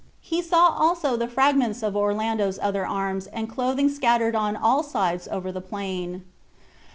He saw also the fragments of Orlando's other arms and clothing scattered on all sides over the plain.